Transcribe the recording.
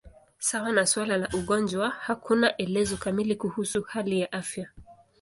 Sawa na suala la ugonjwa, hakuna elezo kamili kuhusu hali ya afya.